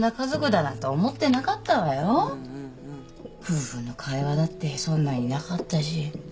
夫婦の会話だってそんなになかったし。